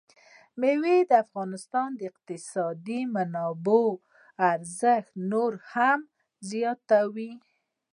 مېوې د افغانستان د اقتصادي منابعو ارزښت نور هم زیاتوي.